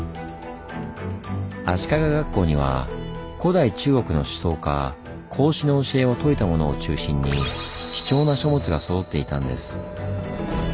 足利学校には古代中国の思想家孔子の教えを説いたものを中心に貴重な書物がそろっていたんです。